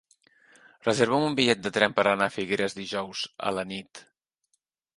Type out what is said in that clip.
Reserva'm un bitllet de tren per anar a Figueres dijous a la nit.